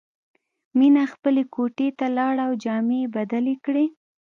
مینه خپلې کوټې ته لاړه او جامې یې بدلې کړې